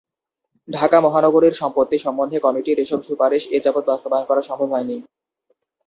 ঢাকা মহানগরীর সম্পত্তি সম্বন্ধে কমিটির এসব সুপারিশ এ যাবত বাস্তবায়ন করা সম্ভব হয় নি।